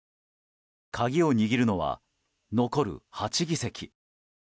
鍵を握るのは残る８議席。